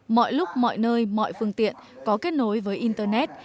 mọi lúc mọi nơi mọi phương tiện có kết nối với internet